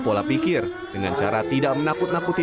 pola pikir dengan cara tidak menakut nakuti